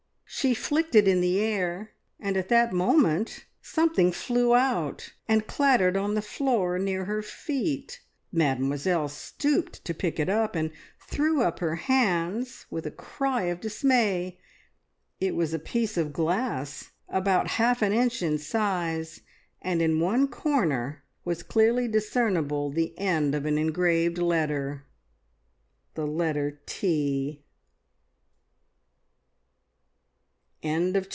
She flicked it in the air, and at that something flew out and clattered on the floor near her feet. Mademoiselle stooped to pick it up, and threw up her hands with a cry of dismay. It was a piece of glass, about half an inch in size, and in one corner was clearly discernible the end of an engraved letter the letter "T!"